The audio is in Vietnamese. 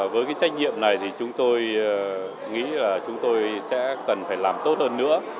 với trách nhiệm này chúng tôi nghĩ chúng tôi sẽ cần phải làm tốt hơn nữa